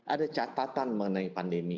ada catatan mengenai pandemi